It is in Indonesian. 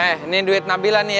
eh ini duit nabila nih